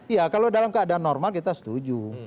iya kalau dalam keadaan normal kita setuju